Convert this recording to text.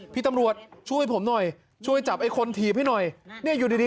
พี่ตำรวจช่วยผมหน่อยช่วยจับไอ้คนถีบให้หน่อยเนี่ยอยู่ดีดี